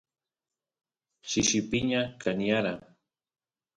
shishi piña kaniyara